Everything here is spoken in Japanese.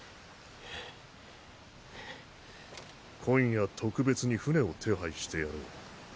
今夜特別に船を手配してやろう。